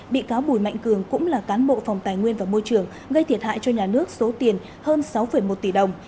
bị cáo bùi mạnh cường cũng là cán bộ phòng tài nguyên và môi trường gây thiệt hại cho nhà nước số tiền hơn sáu một tỷ đồng